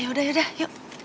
ya udah ya udah yuk